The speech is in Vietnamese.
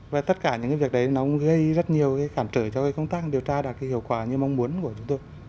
và tất cả những việc đấy nó cũng gây rất nhiều cái cản trở cho công tác điều tra đạt cái hiệu quả như mong muốn của chúng tôi